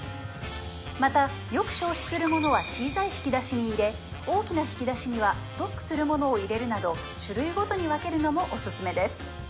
またよく消費するものは小さい引き出しに入れ大きな引き出しにはストックするものを入れるなど種類ごとに分けるのもオススメです